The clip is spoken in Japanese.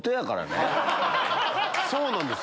そうなんです